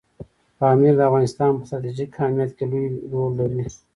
پامیر د افغانستان په ستراتیژیک اهمیت کې لوی رول لري.